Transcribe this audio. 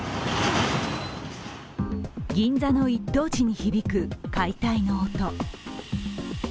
銀座の一等地に響く解体の音。